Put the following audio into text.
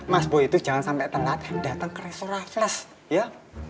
mas boy itu jangan sampai telat dan datang ke restoran flash ya